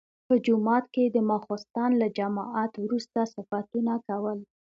په جومات کې د ماخستن له جماعت وروسته صفتونه کول.